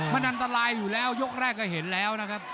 มันอันตรายอยู่แล้วยกแรกก็เห็นแล้วนะครับ